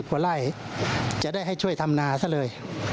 ไปเลยจะได้ช่วยทำนาด้วย